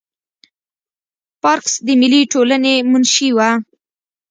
پارکس د ملي ټولنې منشي وه.